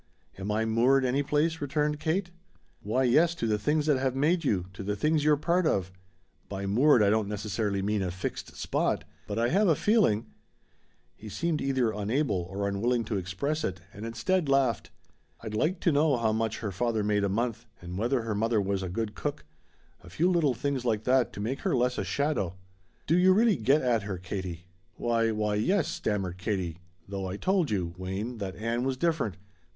"Am I 'moored' any place?" returned Kate. "Why, yes; to the things that have made you to the things you're part of. By moored I don't mean necessarily a fixed spot. But I have a feeling " He seemed either unable or unwilling to express it, and instead laughed: "I'd like to know how much her father made a month, and whether her mother was a good cook a few little things like that to make her less a shadow. Do you really get at her, Katie?" "Why why, yes," stammered Katie; "though I told you, Wayne, that Ann was different.